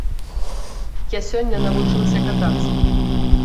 Я сёння навучылася катацца.